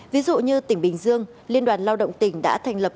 ví dụ như tỉnh bình dương liên đoàn lao động tỉnh đã thành lập